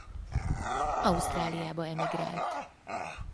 Ausztráliába emigrált.